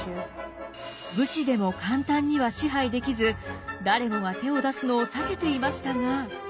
武士でも簡単には支配できず誰もが手を出すのを避けていましたが。